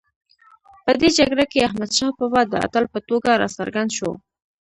په دې جګړه کې احمدشاه بابا د اتل په توګه راڅرګند شو.